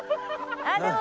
あっでも。